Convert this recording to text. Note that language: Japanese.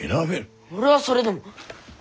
俺はそれでも！